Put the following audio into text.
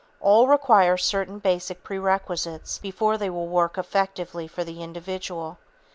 All require certain basic prerequisites before they will work effectively for the individual.